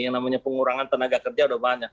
yang namanya pengurangan tenaga kerja udah banyak